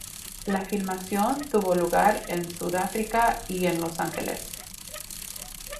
La filmación tuvo lugar en Sudáfrica y en Los Ángeles.